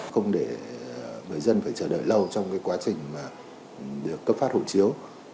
không để người dân phải chờ đợi lâu trong quá trình cấp phát hộ chiếu